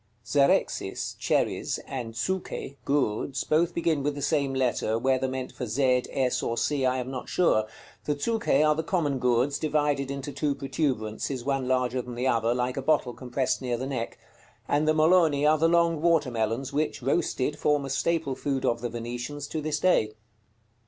Zerexis (cherries) and Zuche (gourds) both begin with the same letter, whether meant for z, s, or c I am not sure. The Zuche are the common gourds, divided into two protuberances, one larger than the other, like a bottle compresed near the neck; and the Moloni are the long water melons, which, roasted, form a staple food of the Venetians to this day.